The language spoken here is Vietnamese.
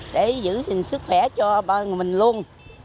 để giữ sức khỏe cho ba người mình luôn